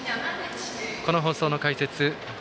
この放送の解説